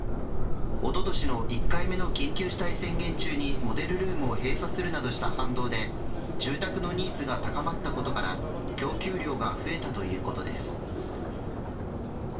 おととしの１回目の緊急事態宣言中にモデルルームを閉鎖するなどとした反動で住宅のニーズが高まったことから供給量が増えたということです。